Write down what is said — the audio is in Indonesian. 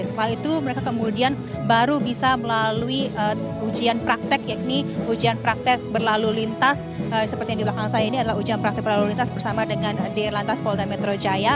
setelah itu mereka kemudian baru bisa melalui ujian praktek yakni ujian praktek berlalu lintas seperti yang di belakang saya ini adalah ujian praktek berlalu lintas bersama dengan di lantas polda metro jaya